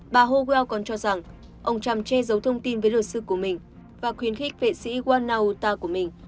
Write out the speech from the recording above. bà hogan còn cho rằng ông trump chê dấu thông tin với luật sư của mình và khuyến khích vệ sĩ wana uta của mình